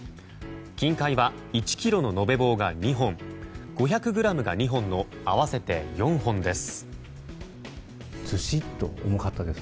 金塊は１ｋｇの延べ棒が２本５００ｇが２本の合わせて４本です。